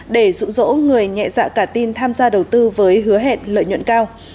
để rụ rỗ người nhẹ dạ cả tin tham gia đầu tư với hứa hẹn lợi nhuận cao